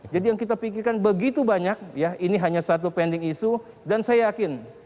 jadi yang kita pikirkan begitu banyak ini hanya satu pending issue dan saya yakin